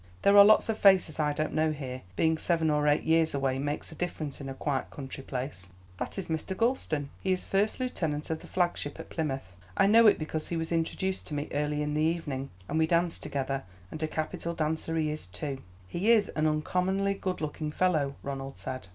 There are lots of faces I don't know here; being seven or eight years away makes a difference in a quiet country place." "That is Mr. Gulston; he is first lieutenant of the flagship at Plymouth. I know it because he was introduced to me early in the evening, and we danced together, and a capital dancer he is, too." "He is an uncommonly good looking fellow," Ronald said.